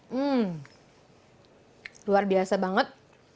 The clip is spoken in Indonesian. hmm luar biasa banget